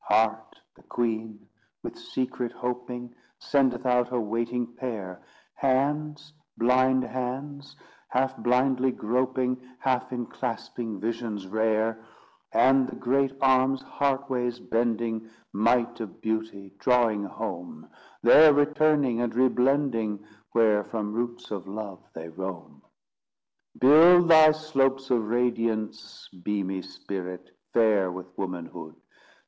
Heart, the queen, with secret hoping, Sendeth out her waiting pair; Hands, blind hands, half blindly groping, Half inclasping visions rare; And the great arms, heartways bending; Might of Beauty, drawing home There returning, and re blending, Where from roots of love they roam. Build thy slopes of radiance beamy Spirit, fair with womanhood!